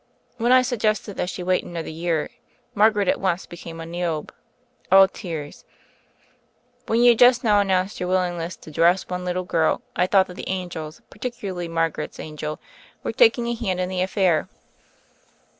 When I suggested that she wait another year, Margaret at once became a Niobe, all tears. When you just now announced THE FAIRY OF THE SNOWS 99 your willingness to dress one little girl, I thought that the angels — ^particularly Mar garet's angel — were taking a hand in the af fair.